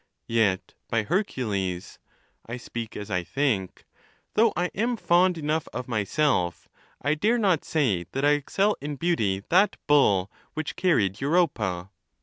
XXVIII. Yet, by Hercules (I speak as I think) ! though I am fond enough of myself, I dare not say that I excel in beauty that bull which carried Europa.